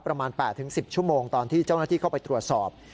ประมาณ๘๑๐ชั่วโมงตอนที่เจ้าหน้าที่เข้าไปตรวจสอบ